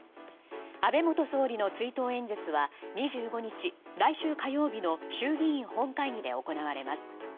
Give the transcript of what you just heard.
安倍元総理の追悼演説は２５日、来週火曜日の衆議院本会議で行われます。